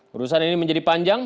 perusahaan ini menjadi panjang